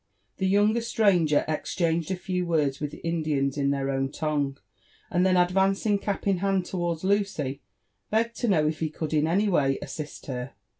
The young stranger exchanged a few words with the Indians in their own tongue, and then advancing cap in hand towards Lucy, begged to know if he could in any way assist her.